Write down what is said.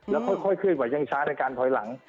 แล้วค่อยเคลื่อนไหวยังช้าในการถอยหลัง